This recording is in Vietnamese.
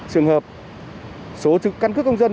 trường hợp số căn cước công dân